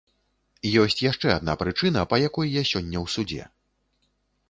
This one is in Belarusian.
Ёсць яшчэ адна прычына, па якой я сёння ў судзе.